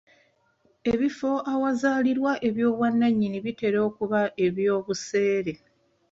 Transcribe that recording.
Ebifo ewazaalirwa eby'obwannannyini bitera okuba eby'obuseere.